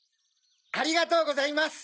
ありがとうございます